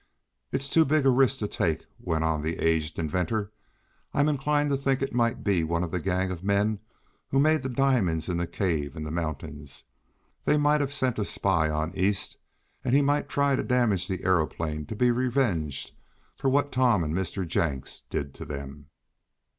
"It's too big a risk to take," went on the aged inventor. "I'm inclined to think it might be one of the gang of men who made the diamonds in the cave in the mountains. They might have sent a spy on East, and he might try to damage the aeroplane to be revenged for what Tom and Mr. Jenks did to them."